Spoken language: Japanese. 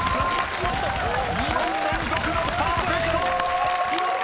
［２問連続のパーフェクト！］